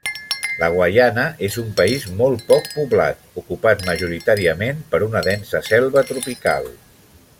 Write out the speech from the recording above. La Guaiana és un país molt poc poblat, ocupat majoritàriament per una densa selva tropical.